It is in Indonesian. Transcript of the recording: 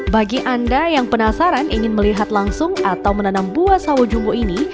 bagi anda yang penasaran ingin melihat langsung atau menanam buah sawo jumbo ini